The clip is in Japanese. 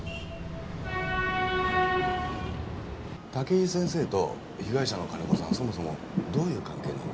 武井先生と被害者の金子さんはそもそもどういう関係なんでしょう？